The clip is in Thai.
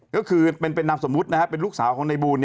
ก็คือเป็นนามสมมุติเป็นลูกสาวของในบูล